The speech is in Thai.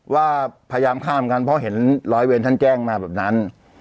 ว่าพยายามข้ามกันเพราะเห็นร้อยเวรท่านแจ้งมาแบบนั้น